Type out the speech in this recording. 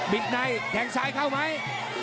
ปีดในแข่งสายเข้าไหม